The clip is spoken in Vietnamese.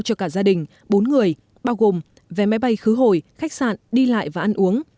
cho cả gia đình bốn người bao gồm vé máy bay khứ hồi khách sạn đi lại và ăn uống